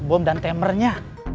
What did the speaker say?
bom dan temernya